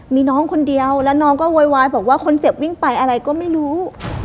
มีน้องคนเดียวแล้วน้องก็โวยวายบอกว่าคนเจ็บวิ่งไปอะไรก็ไม่รู้